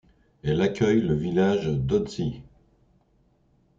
Elle accueille le village d'Ötzi.